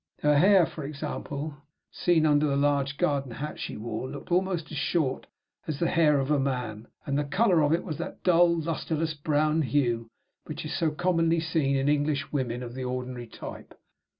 Her hair, for example, seen under the large garden hat that she wore, looked almost as short as the hair of a man; and the color of it was of that dull, lusterless brown hue which is so commonly seen in English women of the ordinary type.